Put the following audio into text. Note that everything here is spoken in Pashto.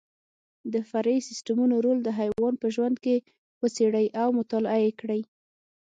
د فرعي سیسټمونو رول د حیوان په ژوند کې وڅېړئ او مطالعه یې کړئ.